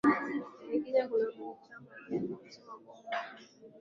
ya Kenya kuna mwanachama alianza kusema kuwa kutoonekana kwa Ruge Mutahaba kuwa anaumwa